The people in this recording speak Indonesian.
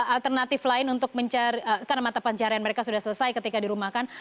alternatif lain untuk mencari karena mata pencarian mereka sudah selesai ketika dirumahkan